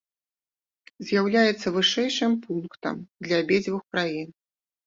З'яўляецца вышэйшым пунктам для абедзвюх краін.